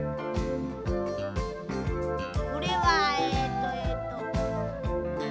これはえっとえっと。